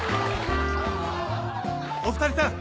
お２人さん